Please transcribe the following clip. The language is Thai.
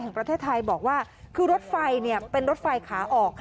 แห่งประเทศไทยบอกว่าคือรถไฟเป็นรถไฟขาออก